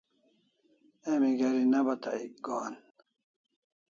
Emi geri ne bata ek gohan